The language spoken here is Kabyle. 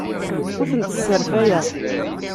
Ur tent-sserfayeɣ.